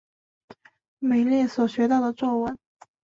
美列所学到的咒文。